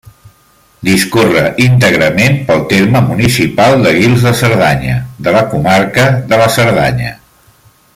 Discorre íntegrament pel terme municipal de Guils de Cerdanya, de la comarca de la Cerdanya.